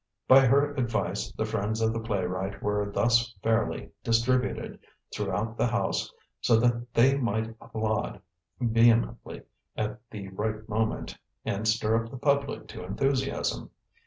By her advice the friends of the playwright were thus fairly distributed throughout the house so that they might applaud vehemently at the right moment and stir up the public to enthusiasm.